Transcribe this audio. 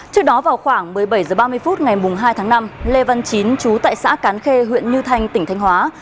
trước đó vào khoảng một mươi bảy h ba mươi phút ngày hai tháng năm lê văn chín chú tại xã cán khê huyện như thanh tỉnh thanh hóa